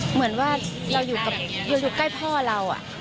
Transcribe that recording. เหมือนว่าเราอยู่ใกล้พ่อเรา